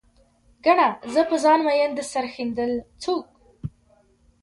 ګڼه، زه په ځان مين د سر ښندل څوک